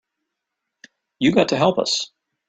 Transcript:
You got to help us.